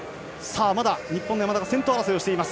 日本の山田、先頭争いしています。